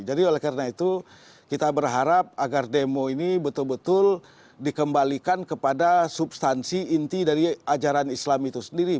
jadi oleh karena itu kita berharap agar demo ini betul betul dikembalikan kepada substansi inti dari ajaran islam itu sendiri